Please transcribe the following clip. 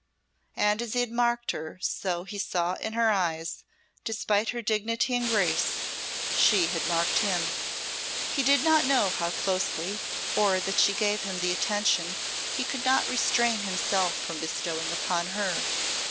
And as he had marked her so, he saw in her eyes, despite her dignity and grace, she had marked him. He did not know how closely, or that she gave him the attention he could not restrain himself from bestowing upon her.